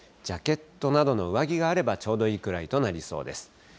ジャケットなどの上着があればちょうどいいぐらいとなりそうです。